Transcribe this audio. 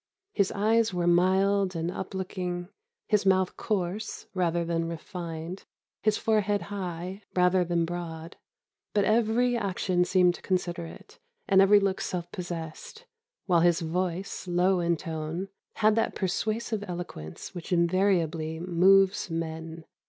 His eyes were mild and up looking, his mouth coarse rather than refined, his forehead high rather than broad; but every action seemed considerate, and every look self possessed, while his voice, low in tone, had that persuasive eloquence which invariably 'moves men.